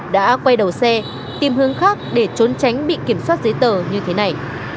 đã quay đầu xe tìm hướng khác để trốn tránh bị kiểm soát giấy tờ như thế này